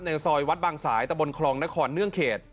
ซอยวัดบางสายตะบนคลองนครเนื่องเขต